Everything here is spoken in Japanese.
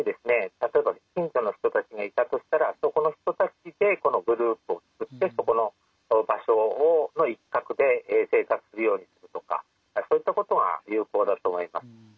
例えば近所の人たちがいたとしたらそこの人たちでこのグループを作ってそこの場所の一角で生活するようにするとかそういったことが有効だと思います。